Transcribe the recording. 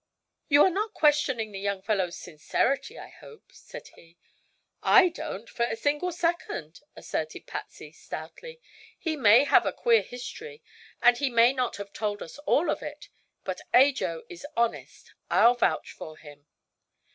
"You are not questioning the young fellow's sincerity, I hope?" said he. "I don't, for a single second!" asserted Patsy, stoutly. "He may have a queer history, and he may not have told us all of it, but Ajo is honest. I'll vouch for him!"